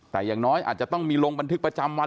แต่อย่างน้อยอาจจะต้องมีลงบันทึกประจำวัน